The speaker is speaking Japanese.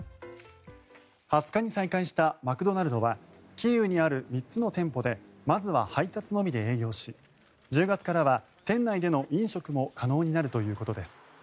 ２０日に再開したマクドナルドはキーウにある３つの店舗でまずは配達のみで営業し１０月からは店内での飲食も可能になるということです。